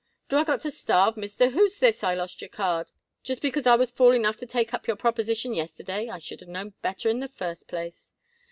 "Do I got to starve, Mr. Who's this I lost your card just because I was fool enough to take up your proposition yesterday? I should of known better in the first place."